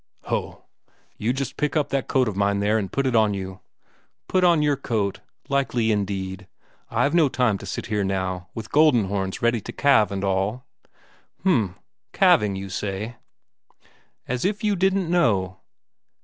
"Ho! You just pick up that coat of mine there and put it on you." "Put on your coat? Likely, indeed. I've no time to sit here now, with Goldenhorns ready to calve and all." "H'm, Calving, you say?" "As if you didn't know!